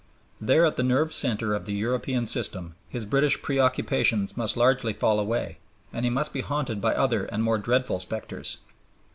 There, at the nerve center of the European system, his British preoccupations must largely fall away and he must be haunted by other and more dreadful specters.